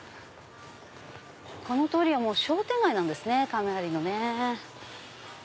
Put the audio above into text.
この通りは商店街なんですね亀有のね。